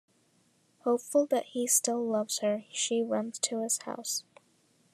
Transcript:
Hopeful that he still loves her, she runs to his house.